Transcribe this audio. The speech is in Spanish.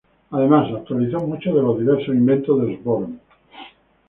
Además, actualizó muchos de los diversos inventos de Osborn.